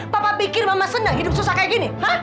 papa pikir mama senang hidup susah kayak gini